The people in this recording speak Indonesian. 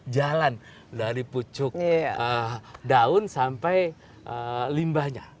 jalan dari pucuk daun sampai limbahnya